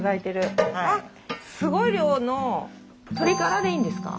あすごい量の鶏ガラでいいんですか？